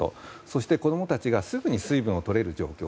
そして、子供たちがすぐに水分をとれる状況。